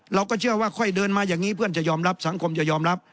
เราก็เชื่อว่าค่อยเดินมาอย่างนี้เพื่อนจะยอมรับสังคมจะยอมรับ